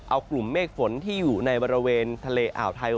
เอากลุ่มเมฆฝนที่อยู่ในบริเวณทะเลอ่าวไทย